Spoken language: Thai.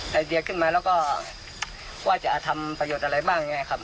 แล้วก็ว่าจะทำประโยชน์อะไรบ้างอย่างไรครับ